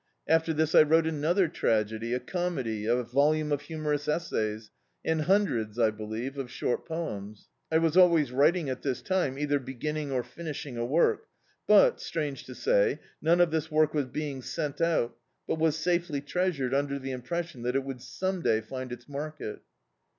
After this I wrote another tragedy, a comedy, a vol ume of humorous essays, and hundreds, I believe, of short poems. I was always writing at this time, either beginning or finishing a work, but, strange to say, none of this work was being sent out, but was safely treasured, under the impression that it would some day find its market.